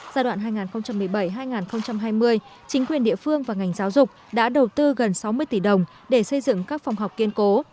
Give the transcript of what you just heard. giai đoạn hai nghìn một mươi bảy hai nghìn hai mươi chính quyền địa phương và ngành giáo dục đã đầu tư gần sáu mươi tỷ đồng để xây dựng các phòng học kiên cố